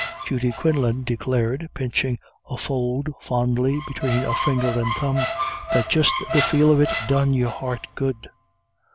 Judy Quinlan declared, pinching a fold fondly between a finger and thumb, that just the feel of it done your heart good.